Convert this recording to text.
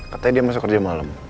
katanya dia masih kerja malem